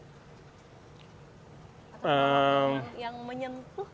masih banyak galau itu ada pengalaman pengalaman lucu nggak tuan guru